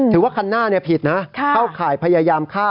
ถือว่าคันหน้าผิดนะเข้าขายพยายามฆ่า